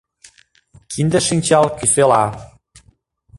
Кинде-шинчал кӱсела!